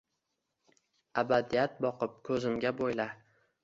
Abadiyat boqib ko’zimga bo’yla